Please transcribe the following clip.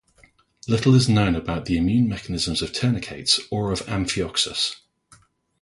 Little is known about the immune mechanisms of tunicates or of "Amphioxus".